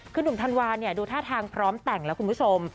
คือหนุ่มธันวาเนี่ยดูท่าทางพร้อมแต่งแล้วคุณผู้ชม